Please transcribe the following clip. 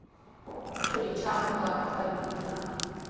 Churin shamuykaqta taytan rikanaq.